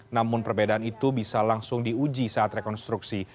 namun perbedaan itu bisa langsung diuji saat rekonstruksi